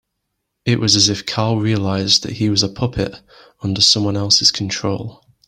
It was as if Carl realised that he was a puppet under someone else's control.